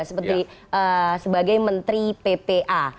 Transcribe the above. sebagai menteri ppa